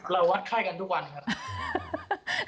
วัดไข้กันทุกวันครับ